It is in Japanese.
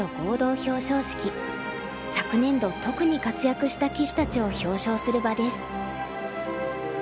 昨年度特に活躍した棋士たちを表彰する場です。